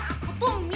aku tuh mimi